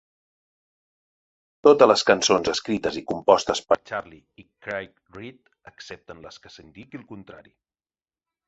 Totes les cançons escrites i compostes per Charlie i Craig Reid, excepte en les que s'indiqui el contrari.